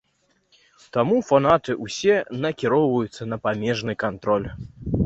Таму фанаты ўсе накіроўваюцца на памежны кантроль.